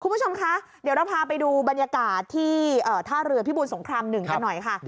คุณผู้ชมคะเดี๋ยวเราพาไปดูบรรยากาศที่ท่าเรือพิบูรสงคราม๑กันหน่อยค่ะ